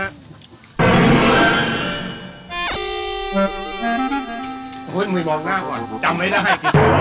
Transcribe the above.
เฮ้ยมึงมองหน้าก่อนจำไม่ได้